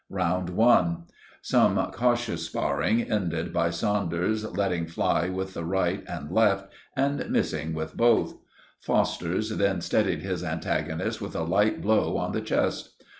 "Round 1.—Some cautious sparring ended by Saunders letting fly with the right and left, and missing with both. Foster then steadied his antagonist with a light blow on the chest.